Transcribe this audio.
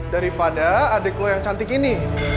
daripada adik lo yang cantik ini